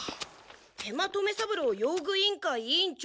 食満留三郎用具委員会委員長。